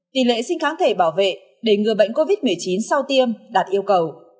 tỷ lệ sinh kháng thể bảo vệ để người bệnh covid một mươi chín sau tiêm đạt yêu cầu